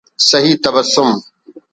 سعید تبسم